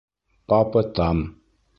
— Папа там!